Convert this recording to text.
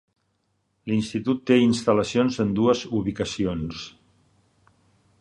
L'institut té instal·lacions en dues ubicacions.